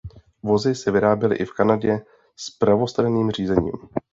Vozy se vyráběly i v Kanadě s pravostranným řízením.